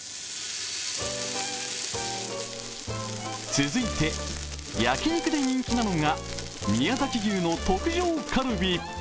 続いて、焼き肉で人気なのが宮崎牛の特上カルビ。